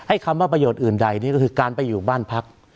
คำว่าประโยชน์อื่นใดนี่ก็คือการไปอยู่บ้านพัก